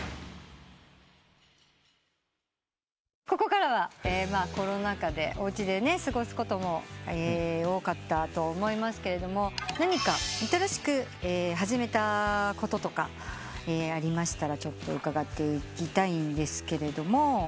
ここからはコロナ禍でおうちで過ごすことも多かったと思いますけど何か新しく始めたこととかありましたらちょっと伺っていきたいんですけれども。